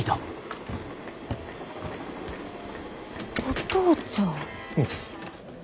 お父ちゃん。